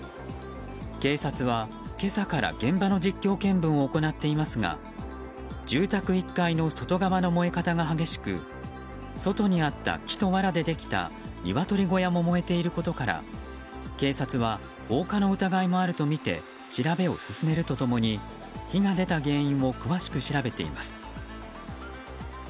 警察は、今朝から現場の実況見分を行っていますが住宅１階の外側の燃え方が激しく外にあった木とわらでできたニワトリ小屋も燃えていることから警察は、放火の疑いもあるとみて調べを進めると共に火が出た原因を詳しく調べています。